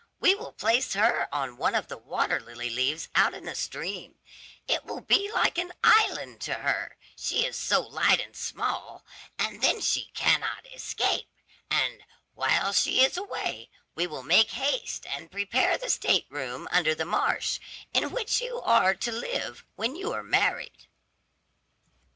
We will place her on one of the water lily leaves out in the stream; it will be like an island to her, she is so light and small, and then she cannot escape; and, while she is away, we will make haste and prepare the state room under the marsh, in which you are to live when you are married."